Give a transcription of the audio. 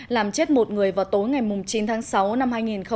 làm chết một người vào tối ngày chín tháng sáu năm hai nghìn một mươi chín